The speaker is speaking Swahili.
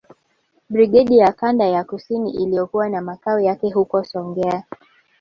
Brigedi ya Kanda ya Kusini iliyokuwa na makao yake huko Songea